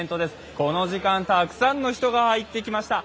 この時間、たくさんの人が入ってきました。